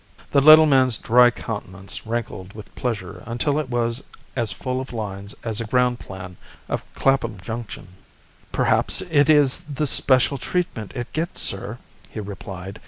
The little man's dry countenance wrinkled with pleasure until it was as full of lines as a ground plan of Clapham Junction. "Perhaps it is the special treatment it gets, sir," he replied.